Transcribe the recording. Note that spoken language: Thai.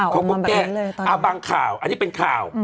ก็บ่งข่าวอันนี้เป็นข่าว